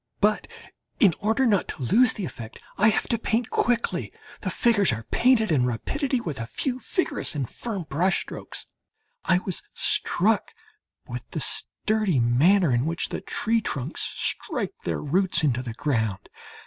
But, in order not to lose the effect, I have to paint quickly. The figures are painted in rapidly with a few vigorous and firm brush strokes. I was struck with the sturdy manner in which the tree trunks strike their roots into the ground.